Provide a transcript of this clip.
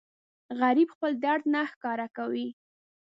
غریب خپل درد نه ښکاره کوي